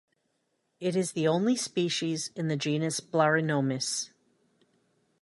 It is the only species in the genus Blarinomys.